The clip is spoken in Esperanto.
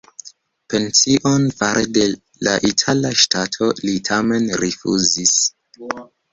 Pension fare de la itala ŝtato li tamen rifŭzis.